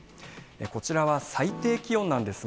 こちらは最低気温なんですが。